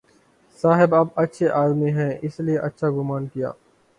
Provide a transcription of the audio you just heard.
صاحب آپ اچھے آدمی ہیں، اس لیے اچھا گمان کیا۔